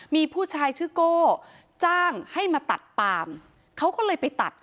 มีผู้ชายชื่อโก้จ้างให้มาตัดปามเขาก็เลยไปตัด